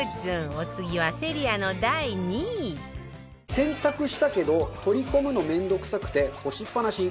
お次は Ｓｅｒｉａ の第２位洗濯したけど取り込むの面倒くさくて干しっぱなし。